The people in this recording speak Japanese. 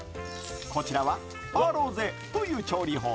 こちらはアロゼという調理法。